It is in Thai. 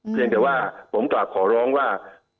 เพียงแต่ว่าผมกลับขอร้องว่า